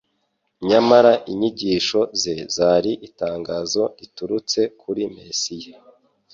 Nyamara inyigisho ze zari itangazo riturutse kuri Mesiya